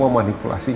apa itu benar no